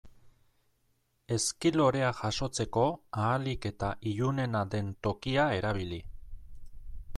Ezki lorea jasotzeko ahalik eta ilunena den tokia erabili.